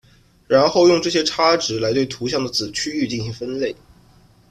然后用这些差值来对图像的子区域进行分类。